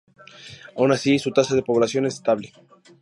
Aun así, su tasa de población es estable.